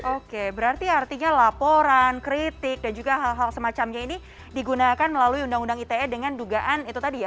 oke berarti artinya laporan kritik dan juga hal hal semacamnya ini digunakan melalui undang undang ite dengan dugaan itu tadi ya